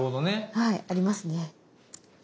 はいありますね。